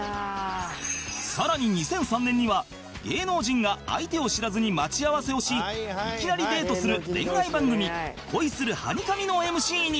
さらに２００３年には芸能人が相手を知らずに待ち合わせをしいきなりデートする恋愛番組『恋するハニカミ！』の ＭＣ に